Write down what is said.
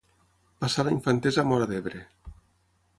Passà la infantesa a Móra d'Ebre.